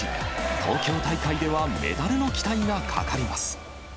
東京大会ではメダルの期待がかかります。